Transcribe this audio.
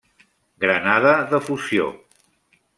Granada de fusió: